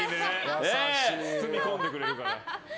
包み込んでくれるから。